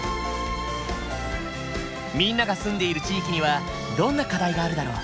みんなが住んでいる地域にはどんな課題があるだろう？